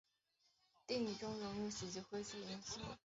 电影中融入喜剧诙谐因素。